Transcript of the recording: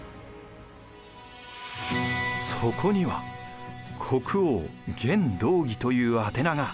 そこには「国王源道義」という宛名が。